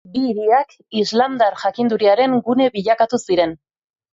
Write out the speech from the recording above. Bi hiriak islamdar jakinduriaren gune bilakatu ziren.